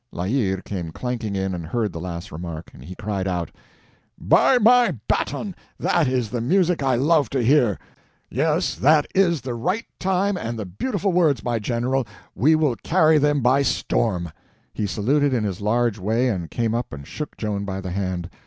La Hire came clanking in, and heard the last remark. He cried out: "By my baton, that is the music I love to hear! Yes, that is the right time and the beautiful words, my General—we will carry them by storm!" He saluted in his large way and came up and shook Joan by the hand.